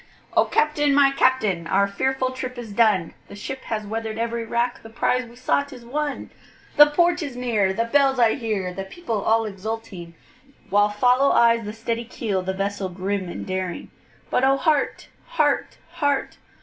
O CAPTAIN! my Captain, our fearful trip is done, The ship has weather'd every rack, the prize we sought is won, The port is near, the bells I hear, the people all exulting, While follow eyes the steady keel, the vessel grim and daring; But O heart! heart! heart!